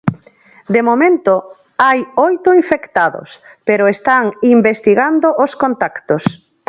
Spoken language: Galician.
De momento, hai oito infectados pero están investigando os contactos.